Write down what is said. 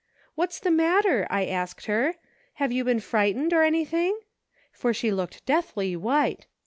* What's the matter .?' I asked her ;' have you been frightened, or any thing .•' for she looked deathly white.